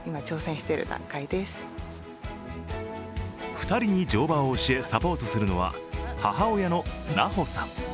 ２人に乗馬を教えサポートするのは母親の奈保さん。